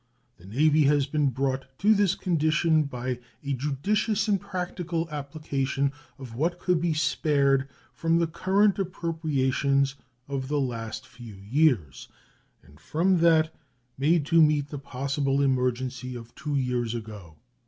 The Navy has been brought to this condition by a judicious and practical application of what could be spared from the current appropriations of the last few years and from that made to meet the possible emergency of two years ago.